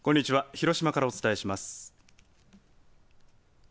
広島からお伝えします。